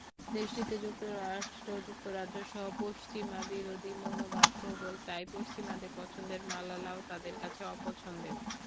দেশটিতে যুক্তরাষ্ট্র-যুক্তরাজ্যসহ পশ্চিমাবিরোধী মনোভাব প্রবল, তাই পশ্চিমাদের পছন্দের মালালাও তাদের কাছে অপছন্দের।